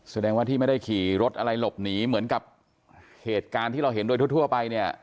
แสดงว่าที่ไม่ได้ขี่รถอะไรหลบหนีเหมือนกับเหตุการณ์ที่เราเห็นโดยทั่วไปเนี่ย